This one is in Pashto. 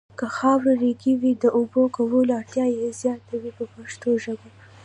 که خاوره ریګي وي د اوبو کولو اړتیا یې زیاته وي په پښتو ژبه.